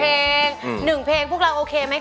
คุณแม่รู้สึกยังไงในตัวของกุ้งอิงบ้าง